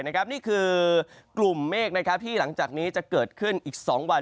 นี่คือกลุ่มเมฆที่หลังจากนี้จะเกิดขึ้นอีก๒วัน